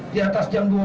di atas jam dua belas